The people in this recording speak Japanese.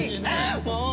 もう！